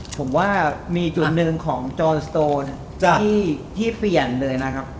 ผมว่ามีจุดหนึ่งของจอนสโตที่เปลี่ยนเลยนะครับ